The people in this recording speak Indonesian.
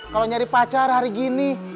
kalau nyari pacar hari gini